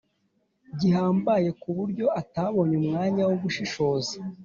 gihambaye ku buryo atabonye umwanya wo gushishoza